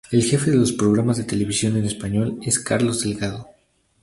El jefe de los programas de televisión en español es Carlos Delgado.